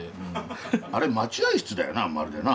あれ待ち合い室だよなまるでな。